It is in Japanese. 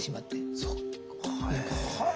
そっかえ。